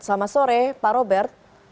selamat sore pak robert